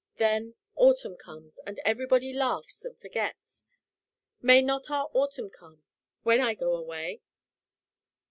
Then autumn comes, and everybody laughs, and forgets. May not our autumn come when I go away?"